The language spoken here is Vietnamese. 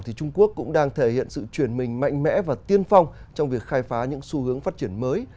trung quốc cũng đang thể hiện sự chuyển mình mạnh mẽ và tiên phong trong việc khai phá những xu hướng phát triển mới